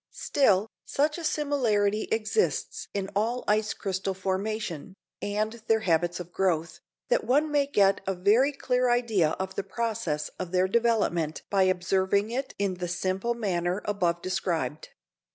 Still, such a similarity exists in all ice crystal formation, and their habits of growth, that one may get a very clear idea of the process of their development by observing it in the simple manner above described.